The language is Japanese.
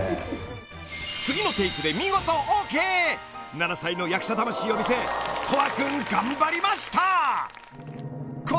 ［７歳の役者魂を見せ叶和君頑張りました］